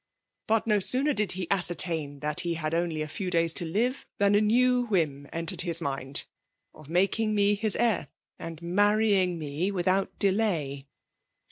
But no sooner did he ascertain that he had only a igw days to ]ive, than a new whim entered, his mind, of making me his heir and marrying me without delay.